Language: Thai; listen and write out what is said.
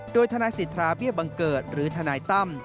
โดยทนายสิทธาเบี้ยบังเกิดหรือทนายตั้ม